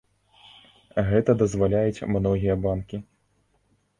Гэта дазваляюць многія банкі.